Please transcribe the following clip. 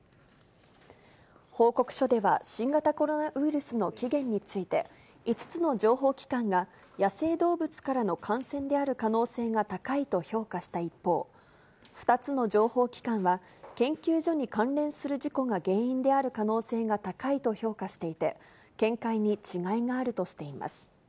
報告書では新型コロナウイルスの起源について、５つの情報機関が、野生動物からの感染である可能性が高いと評価した一方、２つの情報機関は、研究所に関連する事故が原因である可能性が高いと評価していて、見解に違いがあるとしています。